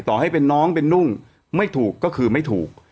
ต่อให้เป็นน้องเป็นนุ่งไม่ถูกก็คือไม่ถูก